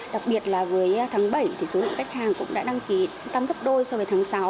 đặc biệt là với tháng bảy thì số lượng khách hàng cũng đã đăng ký tăng gấp đôi so với tháng sáu